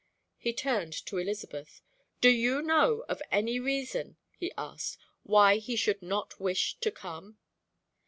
He turned to Elizabeth. "Do you know of any reason," he asked, "why he should not wish to come?"